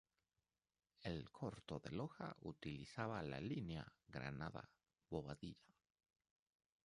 El "Corto de Loja" utilizaba la línea Granada-Bobadilla.